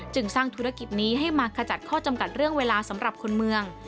สร้างธุรกิจนี้ให้มาขจัดข้อจำกัดเรื่องเวลาสำหรับคนเมือง